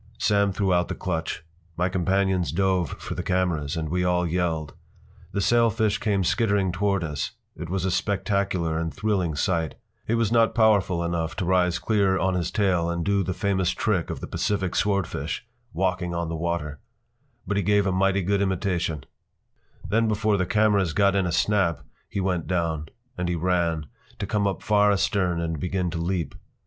Sam threw out the clutch. My companions dove for the cameras, and we all yelled. The sailfish came skittering toward us. It was a spectacular and thrilling sight. He was not powerful enough to rise clear on his tail and do the famous trick of the Pacific swordfish—“walking on the water.” But he gave a mighty good imitation. Then before the cameras got in a snap he went down. And he ran, to come up far astern and begin to leap.